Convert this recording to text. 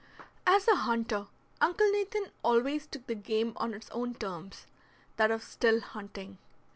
As a hunter Uncle Nathan always took the game on its own terms, that of still hunting.